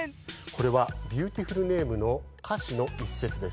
これは「ビューティフル・ネーム」のかしのいっせつです。